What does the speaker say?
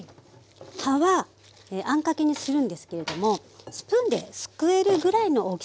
葉はあんかけにするんですけれどもスプーンですくえるぐらいの大きさ。